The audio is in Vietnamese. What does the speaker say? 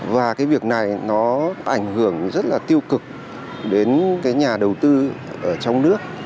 và cái việc này nó ảnh hưởng rất là tiêu cực đến cái nhà đầu tư ở trong nước